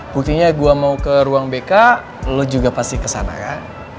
buktinya gue mau ke ruang bk lo juga pasti kesana kan